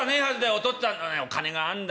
お父っつぁんお金があんだ。